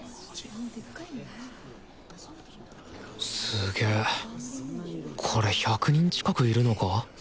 すげえこれ１００人近くいるのか？